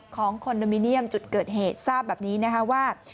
คอนโดมิเนียมจุดเกิดเหตุทราบแบบนี้นะคะว่า